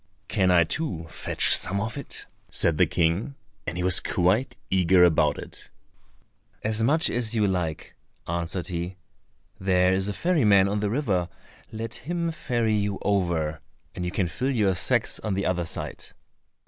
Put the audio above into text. "Can I too fetch some of it?" said the King; and he was quite eager about it. "As much as you like," answered he. "There is a ferry man on the river; let him ferry you over, and you can fill your sacks on the other side."